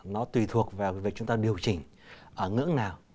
nó tùy thuộc vào việc chúng ta điều chỉnh ở ngưỡng nào